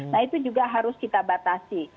nah itu juga harus kita batasi